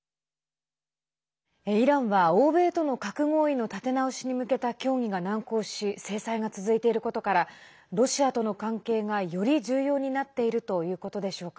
イランは欧米との核合意の立て直しに向けた協議が難航し制裁が続いていることからロシアとの関係がより重要になっているということでしょうか。